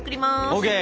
ＯＫ。